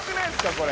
これ。